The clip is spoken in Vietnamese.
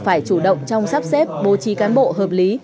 phải chủ động trong sắp xếp bố trí cán bộ hợp lý